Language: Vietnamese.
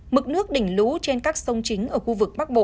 mực nước đỉnh lũ trên các sông chính ở khu vực bắc bộ